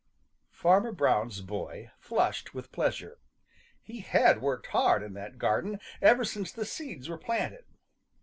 Farmer Brown's boy flushed with pleasure. He had worked hard in that garden ever since the seeds were planted.